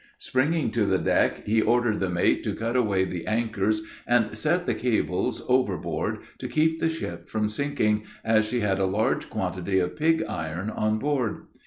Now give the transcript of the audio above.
Springing to the deck, he ordered the mate to cut away the anchors and get the cables overboard, to keep the ship from sinking, as she had a large quantity of pig iron on board.